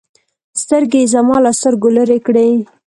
سترگې يې زما له سترگو لرې کړې.